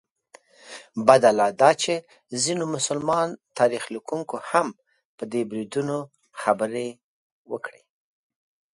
بده لا دا چې ځینو مسلمان تاریخ لیکونکو هم په دې بریدونو خبرې وکړې.